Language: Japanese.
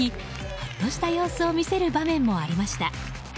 ほっとした様子を見せる場面もありました。